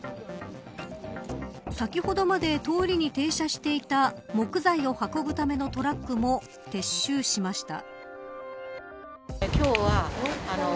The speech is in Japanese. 先ほどまで、通りに停車していた木材を運ぶためのトラックも撤収しました。